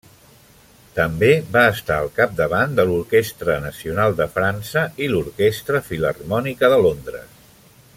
També va estar al capdavant de l'Orquestra Nacional de França i l'Orquestra Filharmònica de Londres.